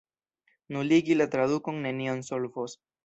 Nuligi la tradukon nenion solvos.